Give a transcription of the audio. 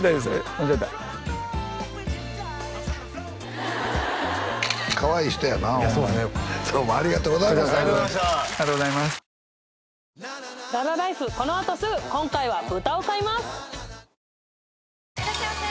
間違えたかわいい人やなホンマにどうもありがとうございましたありがとうございましたありがとうございますいらっしゃいませ！